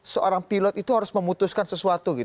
seorang pilot itu harus memutuskan sesuatu